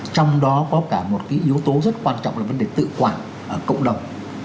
trong đó có cả một yếu tố rất quan trọng là vấn đề tự quản ở cộng đồng